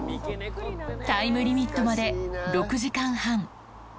タイムリミットまで６時間半。